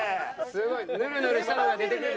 すごいヌルヌルしたのが出てくる。